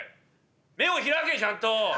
目を開けちゃんと！